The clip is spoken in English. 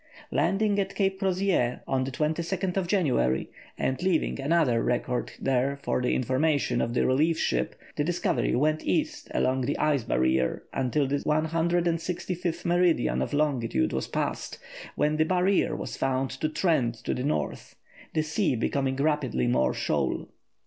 Landing at Cape Crozier on January 22, and leaving another record there for the information of the relief ship, the Discovery went east along the ice barrier until the 165th meridian of longitude was passed, when the barrier was found to trend to the north, the sea becoming rapidly more shoal.